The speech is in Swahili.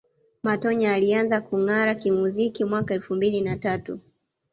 Matonya alianza kungara kimuziki mwaka elfu mbili na tatu